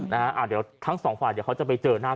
เดี๋ยวทั้งสองฝ่ายเดี๋ยวเขาจะไปเจอหน้า